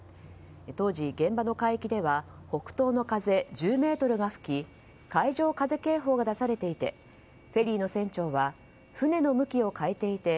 当時、現場の海域では北東の風１０メートルが吹き海上風警報が出されていてフェリーの船長は船の向きを変えていて